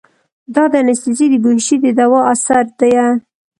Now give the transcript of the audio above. دا د انستيزي د بېهوشي د دوا اثر ديه.